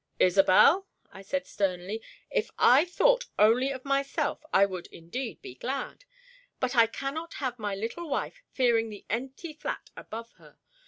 "Isobel," I said sternly, "if I thought only of myself I would indeed be glad. But I cannot have my little wife fearing the empty flat above her.